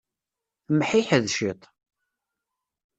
Mḥiḥed ciṭ.